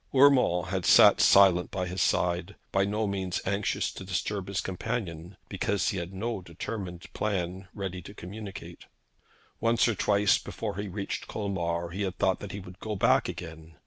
Urmand had sat silent by his side, by no means anxious to disturb his companion, because he had no determined plan ready to communicate. Once or twice before he reached Colmar he had thought that he would go back again.